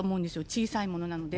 小さいものなので。